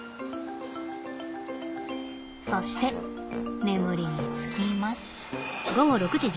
そして眠りにつきます。